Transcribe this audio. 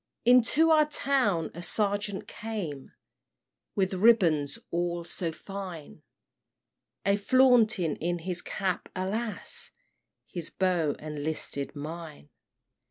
"Into our town a sergeant came, With ribands all so fine, A flaunting in his cap alas! His bow enlisted mine!